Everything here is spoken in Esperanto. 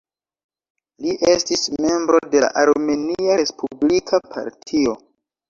Li estis membro de la Armenia Respublika Partio.